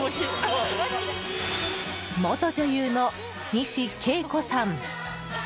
元女優の西恵子さん。